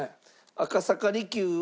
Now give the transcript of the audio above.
赤坂璃宮は。